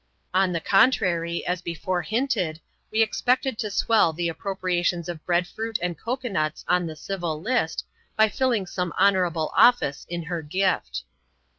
On the contrary, as before hinted, we expected to swell the ap propriations of bread fruit and cocoa nuts on the civil list, by filling some honourable office in her gift.